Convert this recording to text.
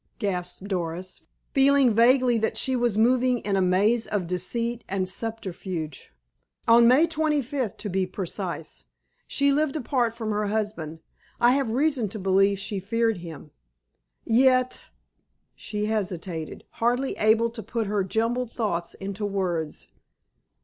gasped Doris, feeling vaguely that she was moving in a maze of deceit and subterfuge. "On May 25th, to be precise. She lived apart from her husband. I have reason to believe she feared him." "Yet—" She hesitated, hardly able to put her jumbled thoughts into words.